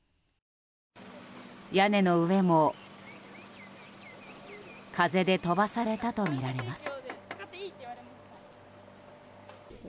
屋根の上も風で飛ばされたとみられます。